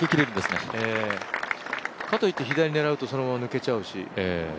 かといって左狙うとそのまま抜けちゃうし。